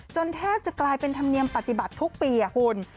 แทบจะกลายเป็นธรรมเนียมปฏิบัติทุกปีคุณ